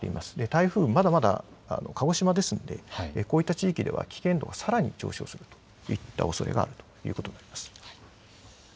台風はまだまだ鹿児島ですのでこういった地域では危険度がさらに上昇するおそれがあります。